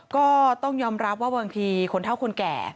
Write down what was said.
ก็ต้องยอมรับว่าบางทีคนเท่าคนแก่